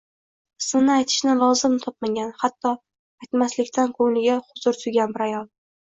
Ismini aytishni lozim topmagan, hatto aytmasliqdan ko'nglida huzur tuygan bir ayol.